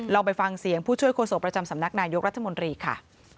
ไปฟังเสียงผู้ช่วยโฆษกประจำสำนักนายกรัฐมนตรีค่ะ